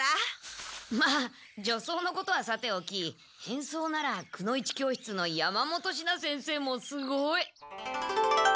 まあ女装のことはさておき変装ならくの一教室の山本シナ先生もすごい。